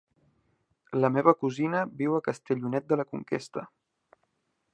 La meva cosina viu a Castellonet de la Conquesta.